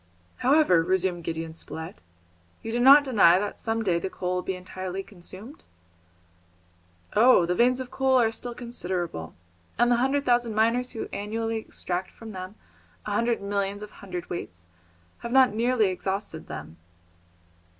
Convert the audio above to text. "However," resumed Gideon Spilett, "you do not deny that some day the coal will be entirely consumed?" "Oh! the veins of coal are still considerable, and the hundred thousand miners who annually extract from them a hundred millions of hundredweights have not nearly exhausted them."